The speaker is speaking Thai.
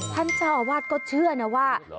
ท่านเจ้าอาวาสก็เชื่อนะว่า